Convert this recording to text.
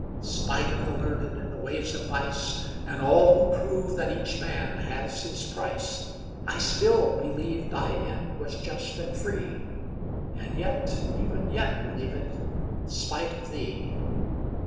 Spite of the learned in the ways of vice, And all who prove that each man has his price, I still believed thy end was just and free; And yet, even yet believe it spite of thee.